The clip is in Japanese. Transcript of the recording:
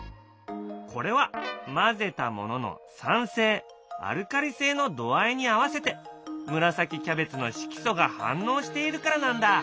これは混ぜたものの酸性アルカリ性の度合いに合わせて紫キャベツの色素が反応しているからなんだ。